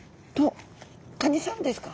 カニさんですか？